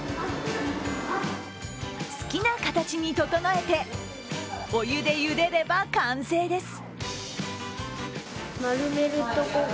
好きな形に整えてお湯でゆでれは完成です。